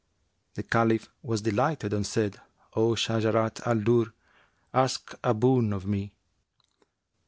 The Caliph was delighted and said, 'O Shajarat al Durr, ask a boon of me.'